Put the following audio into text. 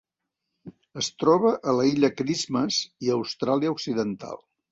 Es troba a l'Illa Christmas i a Austràlia Occidental.